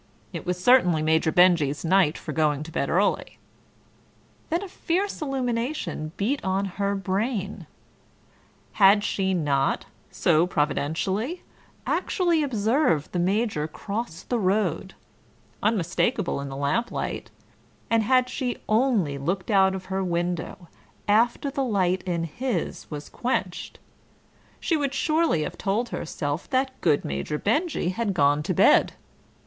It was certainly Major Benjy's night for going to bed early. ... Then a fierce illumination beat on her brain. Had she not, so providentially, actually observed the Major cross the road, unmistakable in the lamplight, and had she only looked out of her window after the light in his was quenched, she would surely have told herself that good Major Benjy had gone to bed.